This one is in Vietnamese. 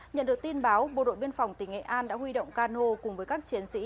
nhận được tin báo bộ đội biên phòng tỉnh nghệ an đã huy động can hô cùng với các chiến sĩ